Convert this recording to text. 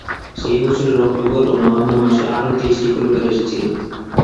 সেই বছরের অক্টোবর ও নভেম্বর মাসে আরও তেইশটি পরিবার এসেছিল।